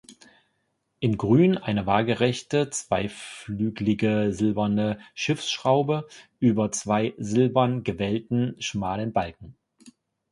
In Grün eine waagerechte zweiflüglige silberne Schiffsschraube über zwei silbern gewellten schmalen Balken.